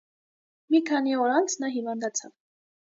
Մի քանի օր անց նա հիվանդացավ։